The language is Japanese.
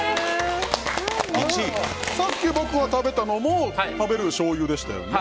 さっき僕が食べたのも食べるしょうゆでしたよね。